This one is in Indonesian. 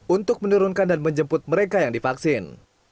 untuk menurunkan dan menjemput mereka yang divaksin